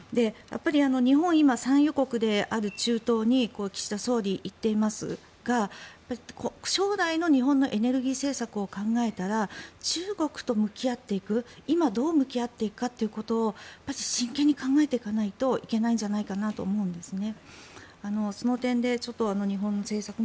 日本、今産油国である中東に岸田総理は行っていますが将来の日本のエネルギー政策を考えたら中国と向き合っていく今、どう向き合っていくかということを真剣に考えていかないといけないんじゃないかなと思うんですね。